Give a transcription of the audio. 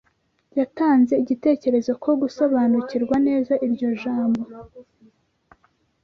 yatanze igitekerezo ko gusobanukirwa neza iryo jambo